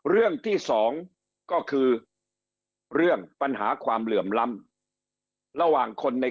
เรื่องที่สองก็คือเรื่องปัญหาความเหลื่อมล้ำระหว่างคนใน